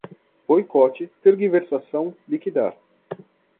Boicote, tergiversação, liquidar